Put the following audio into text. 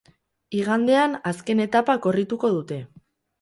Igandean azken etapa korrituko dute.